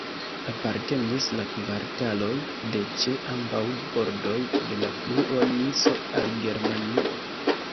Apartenis la kvartaloj de ĉe ambaŭ bordoj de la fluo Niso al Germanio.